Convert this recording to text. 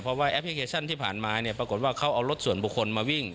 เพราะว่าแอปพลิเคชันที่ผ่านมาเนี่ยปรากฏว่าเขาเอารถส่วนบุคคลมาวิ่ง